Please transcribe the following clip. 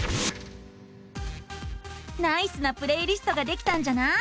ナイスなプレイリストができたんじゃない！